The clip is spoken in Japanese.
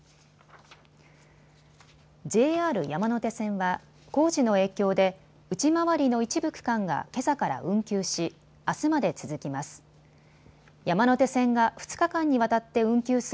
ＪＲ山手線は工事の影響で内回りの一部区間が、けさから運休し、あすまで続きます。